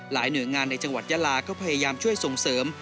หน่วยงานในจังหวัดยาลาก็พยายามช่วยส่งเสริม